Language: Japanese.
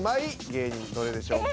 芸人どれでしょうか。